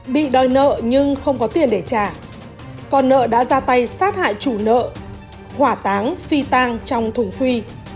bị đòi nợ nhưng không có tiền để trả con nợ đã ra tay sát hại chủ nợ hỏa táng phi tang trong thùng phi